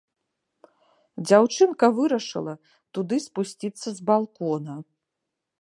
Дзяўчынка вырашыла туды спусціцца з балкона.